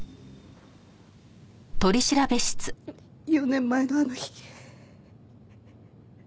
４年前のあの日。